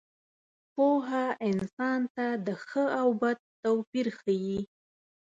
پوهه انسان ته د ښه او بد توپیر ښيي.